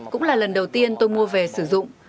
cũng là lần đầu tiên tôi mua về sử dụng